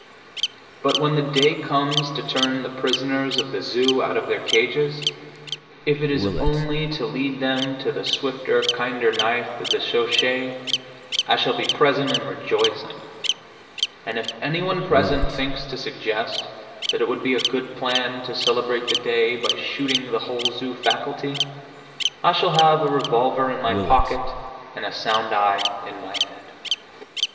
But when the day comes to turn the prisoners of the zoo out of their cages, if it is only to lead them to the swifter, kinder knife of the schochet, I shall be present and rejoicing, and if any one present thinks to suggest that it would be a good plan to celebrate the day by shooting the whole zoo faculty, I shall have a revolver in my pocket and a sound eye in my head.